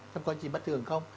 xem có gì bất thường không